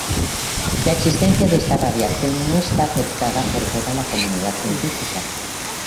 La existencia de esta radiación no está aceptada por toda la comunidad científica.